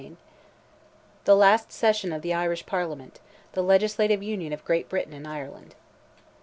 CHAPTER XIX. LAST SESSION OF THE IRISH PARLIAMENT—THE LEGISLATIVE UNION OF GREAT BRITAIN AND IRELAND.